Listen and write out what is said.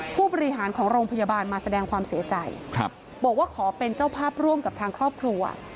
ผู้บริหารของโรงพยาบาลมาแสดงความเสียใจบอกว่าขอเป็นเจ้าภาพร่วมกับทางครอบครัว